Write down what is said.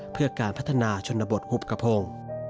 เพื่อการพัฒนาชนบทหุบกระพง